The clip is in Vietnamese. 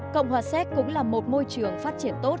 cộng hòa séc cũng là một môi trường phát triển tốt